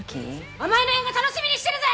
お前の映画楽しみにしてるぜ！